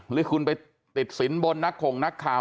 หรือคุณไปติดสินบนนักข่งนักข่าว